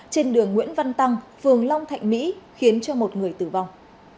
trên đường nguyễn văn tăng phường long thạnh mỹ khiến cho một người tử vong